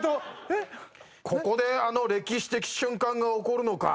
ここであの歴史的瞬間が起こるのか。